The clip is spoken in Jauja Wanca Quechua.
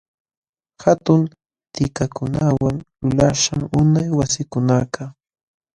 Hatun tikakunawan lulaśhqam unay wasikunakaq.